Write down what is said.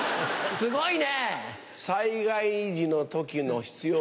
すごいね。